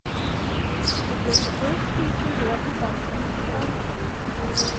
It was the first feature directed by Steve Carver.